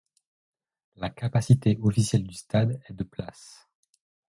La capacité officielle du stade est de places.